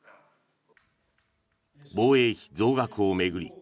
防衛費増額を巡り